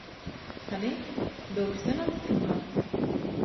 – Hany, böwürslen alypdym-la?